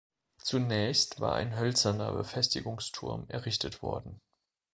Zunächst war ein hölzerner Befestigungsturm errichtet worden.